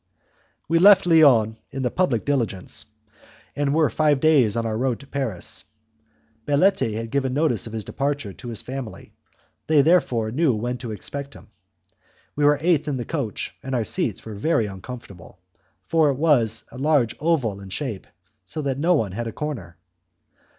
We left Lyons in the public diligence, and were five days on our road to Paris. Baletti had given notice of his departure to his family; they therefore knew when to expect him. We were eight in the coach and our seats were very uncomfortable, for it was a large oval in shape, so that no one had a corner.